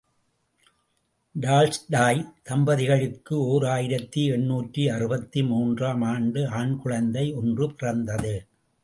Tolstoy தம்பதிகளுக்கு ஓர் ஆயிரத்து எண்ணூற்று அறுபத்து மூன்று ஆம் ஆண்டு ஆண் குழந்தை ஒன்று பிறந்தது.